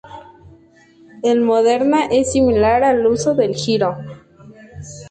El moderna es similar al uso del giro.